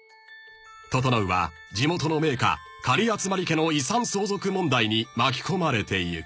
［整は地元の名家狩集家の遺産相続問題に巻き込まれていく］